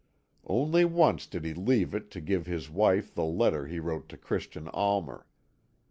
Only once did he leave it to give his wife the letter he wrote to Christian Almer.